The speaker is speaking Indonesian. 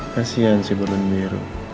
kasian si berlun biru